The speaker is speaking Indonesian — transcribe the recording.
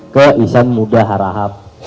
ke isan muda harahap